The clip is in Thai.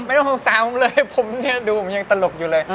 ไม่ต้องสงสารผมเลยผมดูยังตลกอยู่เลย